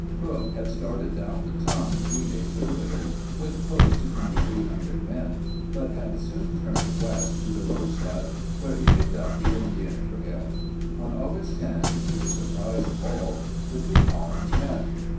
Crook had started down the Tongue three days earlier with close to 2,300 men, but had soon turned west to the Rosebud, where he picked up the Indian trail. On August 10, to the surprise of all, the two columns met.